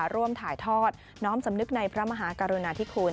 ร่วมถ่ายทอดน้อมสำนึกในพระมหากรุณาธิคุณ